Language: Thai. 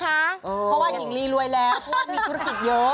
เพราะว่าหญิงลีรวยแล้วเพราะว่ามีธุรกิจเยอะ